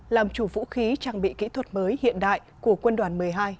làm chủ vũ khí trang bị kỹ thuật mới hiện đại của quân đoàn một mươi hai